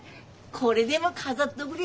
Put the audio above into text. これでも飾っどぐれ。